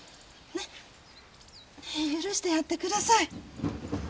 ねえ許してやってください。